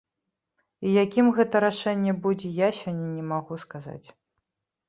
І якім гэтае рашэнне будзе, я сёння не магу сказаць.